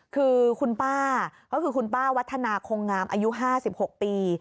คือคุณป้าก็คือคุณป้าวัฒนาคงงามอายุ๕๖ปี